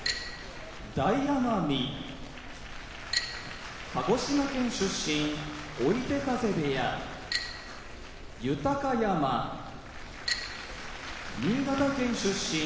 大奄美鹿児島県出身追手風部屋豊山新潟県出身